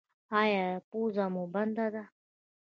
ایا پوزه مو بنده ده؟